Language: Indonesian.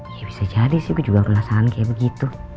ya bisa jadi sih gue juga penasaran kayak begitu